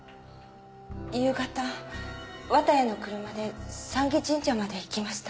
夕方綿谷の車で山祇神社まで行きました。